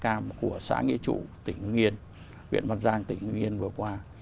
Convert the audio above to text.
chất độc da cam của xã nghĩa trụ tỉnh nguyên huyện mặt giang tỉnh nguyên vừa qua